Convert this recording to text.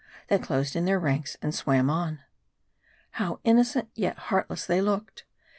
They closed in their ranks and swam on. How innocent, yet heartless they looked